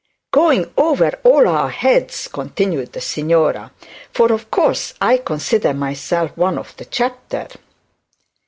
'Going over all our heads,' continued the signora; 'for, of course, I consider myself one of the chapter.'